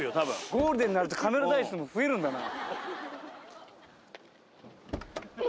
ゴールデンになるとカメラ台数も増えるんだな。